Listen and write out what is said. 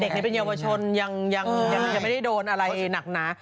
นี้เป็นเยาวชนยังไม่ได้โดนอะไรหนักหนา